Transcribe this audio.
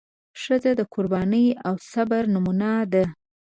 ښځه د قربانۍ او صبر نمونه ده.